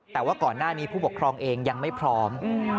แต่ว่าก่อนหน้านี้ผู้ปกครองเองยังไม่พร้อม